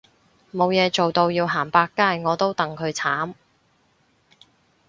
冇嘢做到要行百佳我都戥佢慘